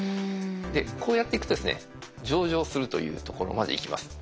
こうやっていくとですね上場するというところまでいきます。